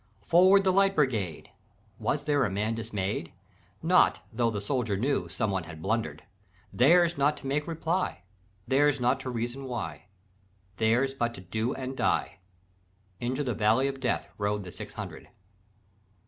"'Forward, the Light Brigade!' Was there a man dismay'd? Not tho' the soldier knew Someone had blunder'd: Their's not to make reply, Their's not to reason why, Their's but to do and die: Into the valley of Death Rode the six hundred.